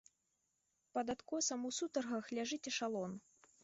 Пад адкосам у сутаргах ляжыць эшалон!